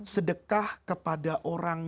sedekah kepada orang